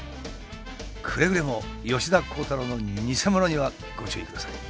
くれぐれも吉田鋼太郎のニセモノにはご注意ください。